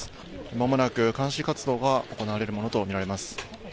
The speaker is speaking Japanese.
まもなく鑑識活動が行われるものと見られます。